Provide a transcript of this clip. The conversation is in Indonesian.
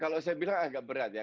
kalau saya bilang agak berat ya